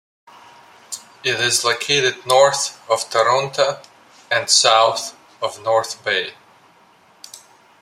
It is located north of Toronto and south of North Bay.